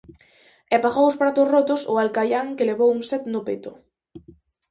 E pagou os pratos rotos o Alcaián que levou un set no peto.